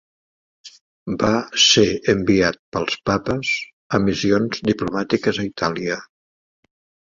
Va ser enviat pels papes a missions diplomàtiques a Itàlia.